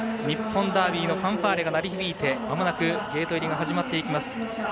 ファンファーレが鳴り響いて、まもなくゲート入りが始まっていきます。